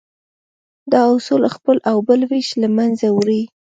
دا اصول خپل او بل وېش له منځه وړي.